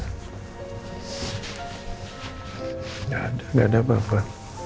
gak ada gak ada apa apa